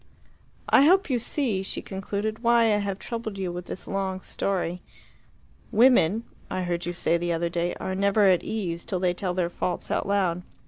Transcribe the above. "I hope you see," she concluded, "why I have troubled you with this long story. Women I heard you say the other day are never at ease till they tell their faults out loud.